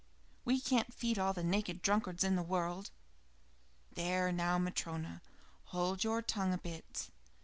We can't feed all the naked drunkards in the world." "There now, Matryona, hold your tongue a bit.